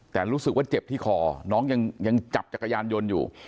แต่รู้สึกว่าเจ็บที่คอน้องยังจับจักรยานยนต์อยู่